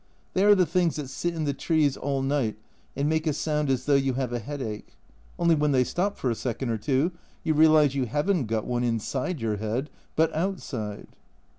They are the things that sit in the trees all night and make a sound as though you have a headache ; only when they stop for a second or two, you realise you haven't got one inside your head but outside.